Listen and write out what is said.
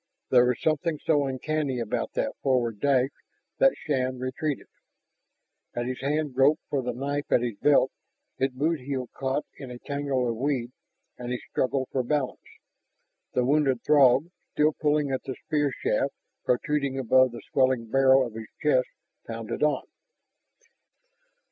There was something so uncanny about that forward dash that Shann retreated. As his hand groped for the knife at his belt his boot heel caught in a tangle of weed and he struggled for balance. The wounded Throg, still pulling at the spear shaft protruding above the swelling barrel of his chest, pounded on.